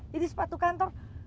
jadi sepatu kantor